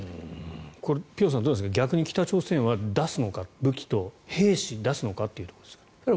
これ、辺さんどうですか逆に北朝鮮は出すのか武器と兵士出すのかっていうところですが。